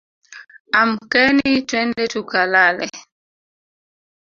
Amkeni twende tukalale